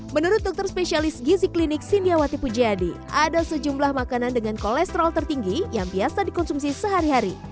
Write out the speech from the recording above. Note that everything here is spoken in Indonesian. menurut dokter spesialis gizi klinik sindiawati pujadi ada sejumlah makanan dengan kolesterol tertinggi yang biasa dikonsumsi sehari hari